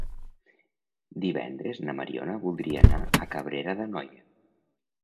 Divendres na Mariona voldria anar a Cabrera d'Anoia.